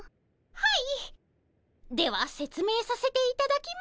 はい。